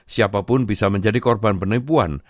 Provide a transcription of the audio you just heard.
siapapun bisa menjadi korban penipuan